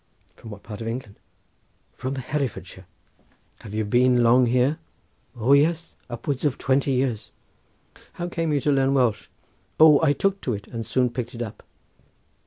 "From what part of England?" "From Herefordshire." "Have you been long here?" "O yes! upwards of twenty years." "How came you to learn Welsh?" "O, I took to it and soon picked it up."